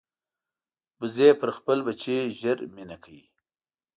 وزې پر خپل بچي ژر مینه کوي